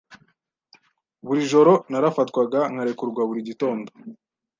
buri joro narafatwaga nkarekurwa buri gitondo